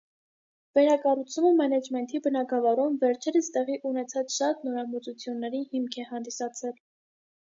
Վերակառուցումը մենեջմենթի բնագավառում վերջերս տեղի ունեցած շատ նորամուծությունների հիմք է հանդիսացել։